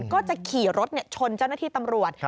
ก็จะขี่รถชนเจ้าหน้าที่ตำรวจ